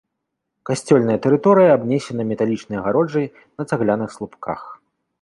Касцёльная тэрыторыя абнесена металічнай агароджай на цагляных слупках.